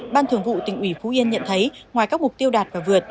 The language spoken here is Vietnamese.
ban thường vụ tỉnh ủy phú yên nhận thấy ngoài các mục tiêu đạt và vượt